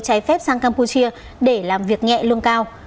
trái phép sang campuchia để làm việc nhẹ lương cao